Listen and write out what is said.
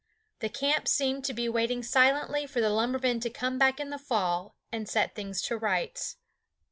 The camp seemed to be waiting silently for the lumbermen to come back in the fall and set things to rights.